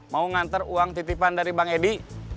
mau ngantar uang titipan dari bang edi